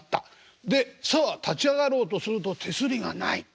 さあ立ち上がろうとすると手すりがない。